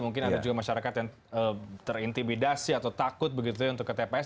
mungkin ada juga masyarakat yang terintimidasi atau takut begitu ya untuk ke tps